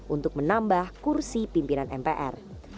untuk menambah kursi pimpinan mpr